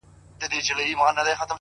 • هغې ليونۍ بيا د غاړي هار مات کړی دی؛